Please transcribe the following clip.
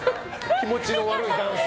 気持ちの悪いダンス。